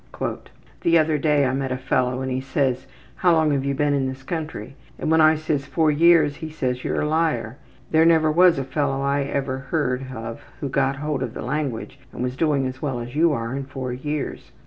``The other day I met a fellow and he says, `How long have you been in this country?' and when I says four years he says, `You're a liar. There never was a fellow I ever heard of who got hold of the language and was doing as well as you are in four years.'